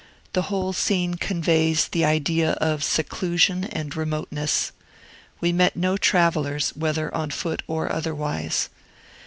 The whole scene conveys the idea of seclusion and remoteness. We met no travellers, whether on foot or otherwise.